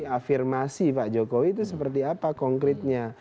afirmasi pak jokowi itu seperti apa konkretnya